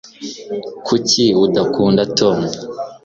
kuki udakunda tom